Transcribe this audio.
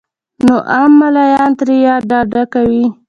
نو عام ملايان ترې يا ډډه کوي